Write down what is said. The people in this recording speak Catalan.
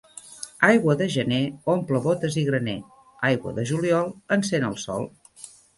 Aigua de gener omple bótes i graner, aigua de juliol encén el sol.